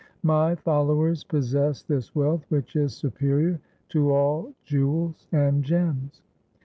My followers possess this wealth which is superior to all jewels and gems.